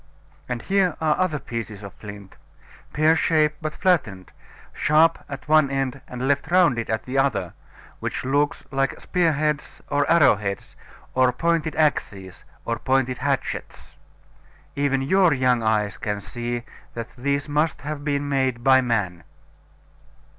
And here are other pieces of flint pear shaped, but flattened, sharp at one end and left rounded at the other, which look like spear heads, or arrow heads, or pointed axes, or pointed hatchets even your young eyes can see that these must have been made by man.